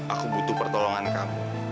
aku butuh pertolongan kamu